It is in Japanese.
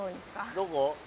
どこ？